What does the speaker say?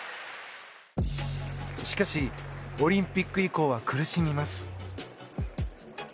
しかし、オリンピック以降は苦しみます。